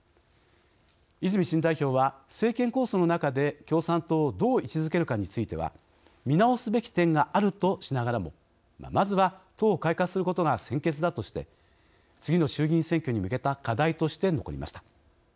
泉新代表は、政権構想の中で共産党をどう位置づけるかについては見直すべき点があるとしながらもまずは党を改革することが先決だとして次の衆議院選挙に向けた課題として残りました。